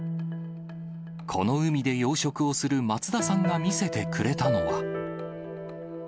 この海で養殖をする松田さんが見せてくれたのは。